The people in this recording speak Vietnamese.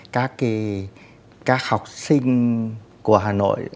các học sinh của hà nội